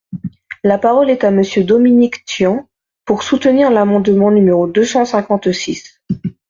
La parole est à Monsieur Dominique Tian, pour soutenir l’amendement numéro deux cent cinquante-six.